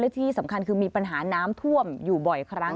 ที่สำคัญคือมีปัญหาน้ำท่วมอยู่บ่อยครั้ง